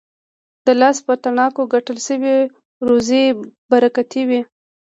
د لاس په تڼاکو ګټل سوې روزي برکتي وي.